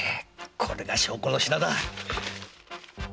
これが証拠の品だ！